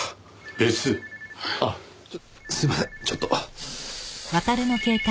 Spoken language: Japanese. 別？あっすみませんちょっと。